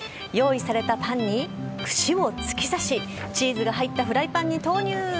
用意されたパンに、串を突き刺し、チーズが入ったフライパンに投入。